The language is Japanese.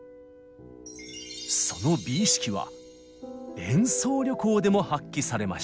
その美意識は演奏旅行でも発揮されました。